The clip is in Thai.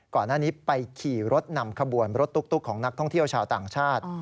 ก่อนหน้านี้ไปขี่รถนำขบวนรถตุ๊กของนักท่องเที่ยวชาวต่างชาติ